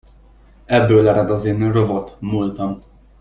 Ebből ered az én rovott múltam.